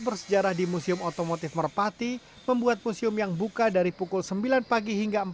bersejarah di museum otomotif merpati membuat museum yang buka dari pukul sembilan pagi hingga empat puluh